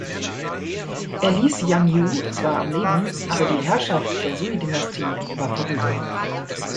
Er ließ Yang You zwar am Leben, aber die Herrschaft der Sui-Dynastie war vorüber.